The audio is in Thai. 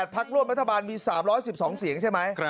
พักร่วมรัฐบาลมี๓๑๒เสียงใช่ไหม